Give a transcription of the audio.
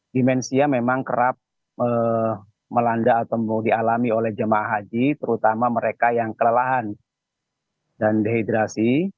dimensia memang kerap melanda atau dialami oleh jemaah haji terutama mereka yang kelelahan dan dehidrasi